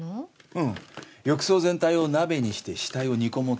うん浴槽全体を鍋にして死体を煮込もうと思ってる。